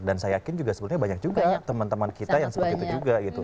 dan saya yakin juga sebenarnya banyak juga teman teman kita yang seperti itu juga gitu